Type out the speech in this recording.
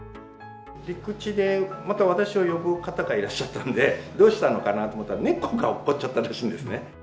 陸地でまた私を呼ぶ方がいらっしゃったんで、どうしたのかなと思ったら、猫がおっこっちゃったらしいんですね。